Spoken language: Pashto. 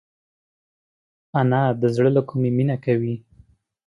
انا د زړه له کومي مینه کوي